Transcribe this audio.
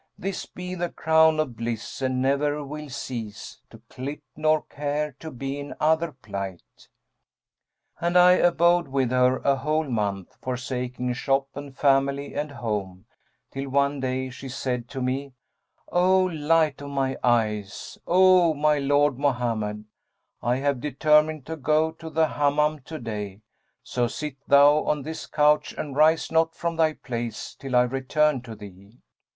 This be the crown of bliss, and ne'er we'll cease * To clip, nor care to be in other plight.' And I abode with her a whole month, forsaking shop and family and home, till one day she said to me, 'O light of my eyes, O my lord Mohammed, I have determined to go to the Hammam to day; so sit thou on this couch and rise not from thy place, till I return to thee.'